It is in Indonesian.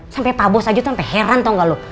sampe pabos aja sampe heran tau gak lu